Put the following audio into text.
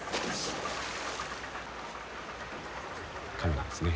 カメラですね。